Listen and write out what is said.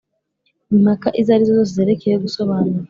Impaka izo ari zo zose zerekeye gusobanura